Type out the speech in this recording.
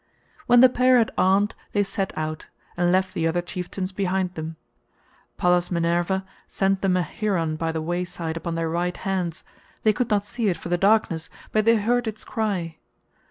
When the pair had armed, they set out, and left the other chieftains behind them. Pallas Minerva sent them a heron by the wayside upon their right hands; they could not see it for the darkness, but they heard its cry.